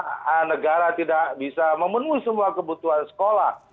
karena negara tidak bisa memenuhi semua kebutuhan sekolah